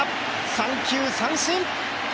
三球三振。